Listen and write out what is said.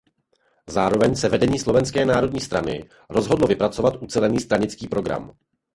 Zároveň se vedení Slovenské národní strany rozhodlo vypracovat ucelený stranický program.